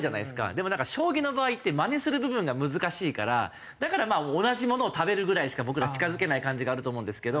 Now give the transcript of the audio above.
でも将棋の場合ってマネする部分が難しいからだからまあ同じものを食べるぐらいしか僕ら近づけない感じがあると思うんですけど。